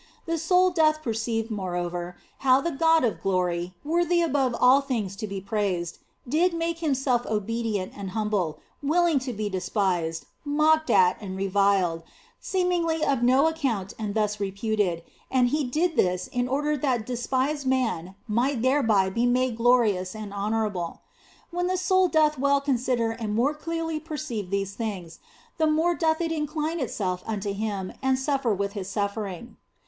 The soul doth perceive, moreover, how the God of Glory, worthy above all things to be praised, did make Himself obedient and humble, willing to be despised, mocked at and reviled, seemingly of no account and thus reputed, and He did this in order that despised man might thereby be made glorious and honourable. When the soul doth well con sider and more clearly perceive these things, the more doth it incline itself unto Him and suffer with His suffer ing.